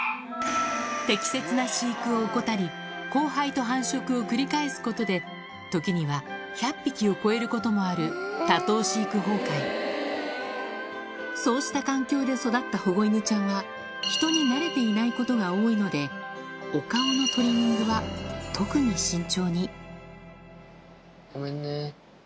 適切な飼育を怠り交配と繁殖を繰り返すことで時には１００匹を超えることもあるそうした環境で育った保護犬ちゃんは人になれていないことが多いのでお顔のトリミングは特に慎重にごめんね。